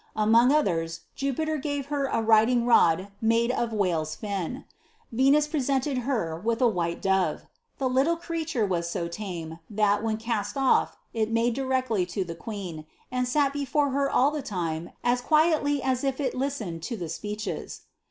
Among others, Jupiter gave her a riding nxJ made of whale's fin. Venus presented her witli a white dove. The iiitle creature was so tame, that, when cast ofif, it made directly to the queen, and sat before her all tlie time as quietly as if it listened to the speeches.